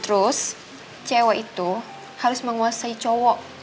terus cewek itu harus menguasai cowok